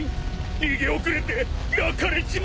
逃げ遅れて焼かれちまってよぉ！